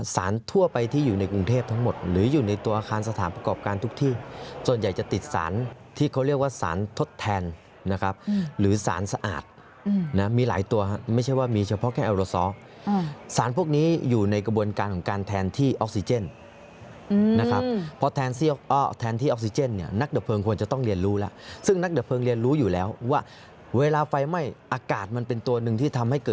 ส่วนใหญ่จะติดสารที่เขาเรียกว่าสารทดแทนนะครับหรือสารสะอาดนะมีหลายตัวไม่ใช่ว่ามีเฉพาะแค่แอลโรซอลสารพวกนี้อยู่ในกระบวนการของการแทนที่ออกซิเจนนะครับเพราะแทนที่ออกซิเจนเนี้ยนักดะเพิงควรจะต้องเรียนรู้ล่ะซึ่งนักดะเพิงเรียนรู้อยู่แล้วว่าเวลาไฟไหม้อากาศมันเป็นตัวหนึ่งที่ทำให